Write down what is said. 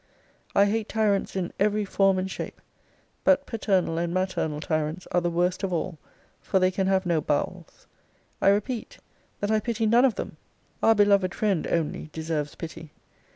I hate tyrants in ever form and shape: but paternal and maternal tyrants are the worst of all: for they can have no bowels. I repeat, that I pity none of them. Our beloved friend only deserves pity.